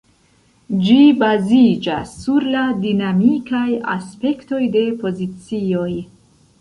Ĝi baziĝas sur la dinamikaj aspektoj de pozicioj.